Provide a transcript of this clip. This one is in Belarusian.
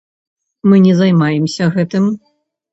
Мы не займаемся гэтым.